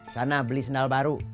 sana beli sendal baru